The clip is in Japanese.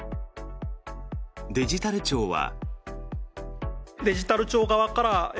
デジタル庁は。